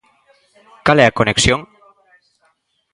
Cal é a conexión?